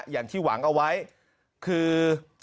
อย่างที่หวังเอาไว้คือ